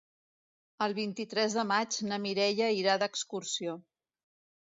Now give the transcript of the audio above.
El vint-i-tres de maig na Mireia irà d'excursió.